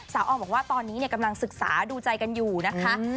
ออมบอกว่าตอนนี้กำลังศึกษาดูใจกันอยู่นะคะ